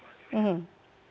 bisa diterima dari majelis